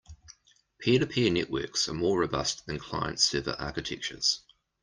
Peer-to-peer networks are more robust than client-server architectures.